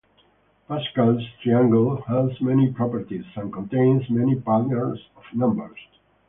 Pascal's triangle has many properties and contains many patterns of numbers.